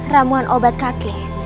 ramuan obat kakek